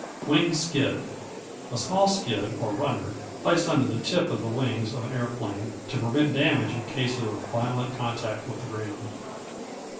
Wing Skid A small skid, or runner, placed under the tip of the wings of an aeroplane, to prevent damage in case of violent contact with the ground.